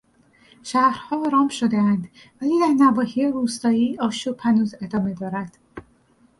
شهرها آرام شدهاند ولی در نواحی روستایی آشوب هنوز ادامه دارد.